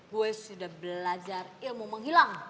gue sudah belajar ilmu menghilang